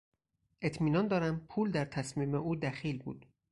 اطمینان دارم پول در تصمیم او دخیل بود.